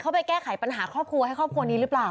ไปแก้ไขปัญหาครอบครัวให้ครอบครัวนี้หรือเปล่า